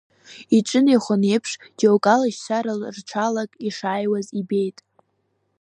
Иҿынеихон еиԥш, џьоукы алашьцара рҽалак ишизааиуаз ибеит.